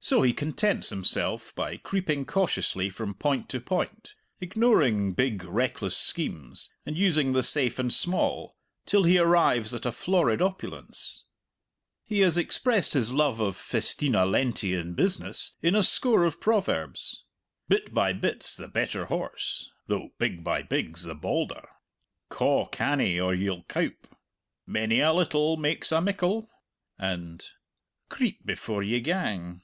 So he contents himself by creeping cautiously from point to point, ignoring big, reckless schemes and using the safe and small, till he arrives at a florid opulence. He has expressed his love of festina lente in business in a score of proverbs "Bit by bit's the better horse, though big by big's the baulder;" "Ca' canny, or ye'll cowp;" "Many a little makes a mickle;" and "Creep before ye gang."